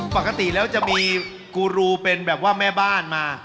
ปกติแล้วจะมีกูรูเป็นแบบว่าแม่บ้านมา